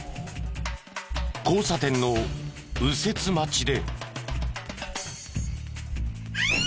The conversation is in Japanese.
交差点の右折待ちで。